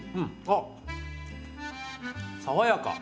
あっ爽やか。